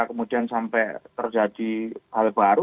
kemudian sampai terjadi hal baru